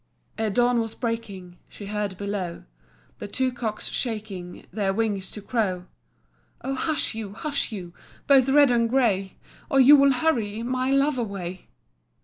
Ere dawn was breaking She heard below The two cocks shaking Their wings to crow. "Oh, hush you, hush you, Both red and grey, Or you will hurry My love away.